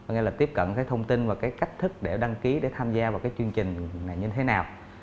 nghĩa là tiếp cận cái thông tin và cái cách thức để đăng ký để tham gia vào cái chương trình này như thế nào